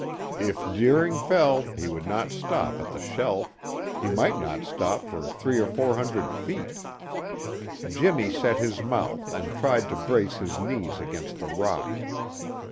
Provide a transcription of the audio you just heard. If Deering fell, he would not stop at the shelf; he might not stop for three or four hundred feet. Jimmy set his mouth and tried to brace his knees against the rock.